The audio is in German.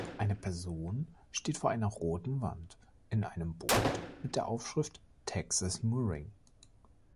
Eine Person steht vor einer roten Wand in einem Boot mit der Aufschrift „Texas Mooring“.